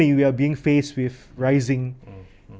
tiba tiba kita dihadapi dengan